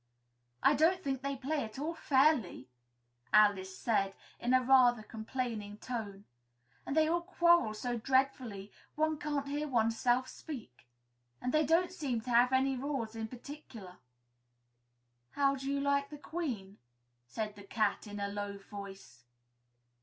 "I don't think they play at all fairly," Alice said, in a rather complaining tone; "and they all quarrel so dreadfully one can't hear oneself speak and they don't seem to have any rules in particular." "How do you like the Queen?" said the Cat in a low voice.